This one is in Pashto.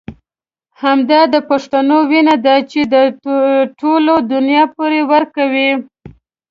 همدا د پښتنو وينه ده چې د ټولې دنيا پور ورکوي.